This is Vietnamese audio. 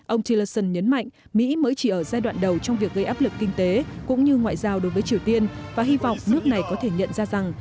ông tillerson nhấn mạnh mỹ mới chỉ ở giai đoạn đầu trong việc gây áp lực kinh tế cũng như ngoại giao đối với triều tiên và hy vọng nước này có thể nhận ra rằng